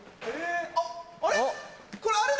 あっあれ？